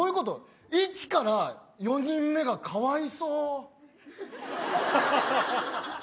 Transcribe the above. １から４人目が、かわいそう。